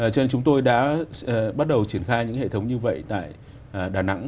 cho nên chúng tôi đã bắt đầu triển khai những hệ thống như vậy tại đà nẵng